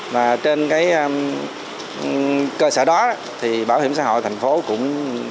và trên cái cơ sở đó thì bảo hiểm xã hội thành phố cũng